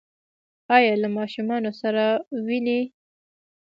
ایا له ماشومانو سره وینئ؟